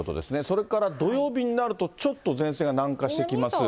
それから土曜日になると、ちょっと前線が南下してきます。